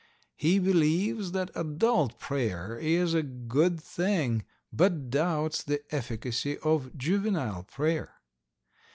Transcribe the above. He believes that adult prayer is a good thing, but doubts the efficacy of juvenile prayer.